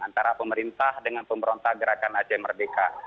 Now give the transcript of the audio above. antara pemerintah dengan pemerintah gerakan aceh merdeka